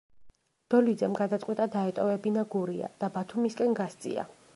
დოლიძემ გადაწყვიტა დაეტოვებინა გურია და ბათუმისკენ გასწია.